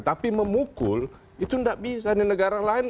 tapi memukul itu tidak bisa di negara lain